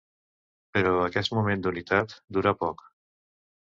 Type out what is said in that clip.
Però aquest moment d'unitat durà poc.